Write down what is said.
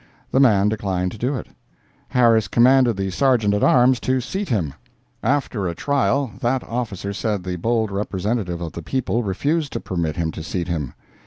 The man declined to do it. Harris commanded the Sergeant at Arms to seat him. After a trial, that officer said the bold representative of the people refused to permit him to seat him.